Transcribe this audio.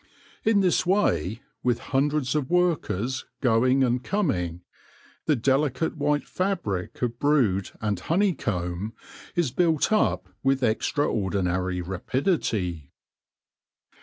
In this way, with hundreds of workers going and coming, the delicate white fabric of brood and honey comb is built up with extraordinary rapidity.